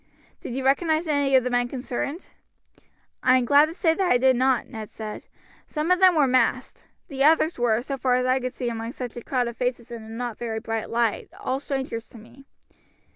"Did you recognize any of the men concerned?" "I am glad to say I did not," Ned replied. "Some of them were masked. The others were, so far as I could see among such a crowd of faces in a not very bright light, all strangers to me."